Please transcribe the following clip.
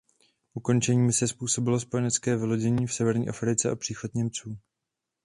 Ukončení mise způsobilo spojenecké vylodění v severní Africe a příchod Němců.